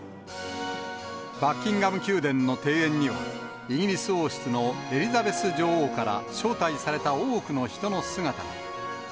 バッキンガム宮殿の庭園には、イギリス王室のエリザベス女王から招待された多くの人の姿が。